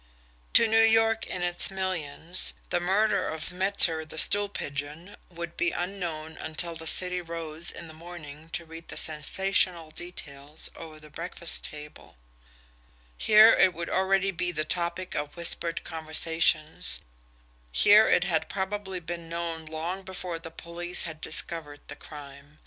To New York in its millions, the murder of Metzer, the stool pigeon, would be unknown until the city rose in the morning to read the sensational details over the breakfast table; here, it would already be the topic of whispered conversations, here it had probably been known long before the police had discovered the crime.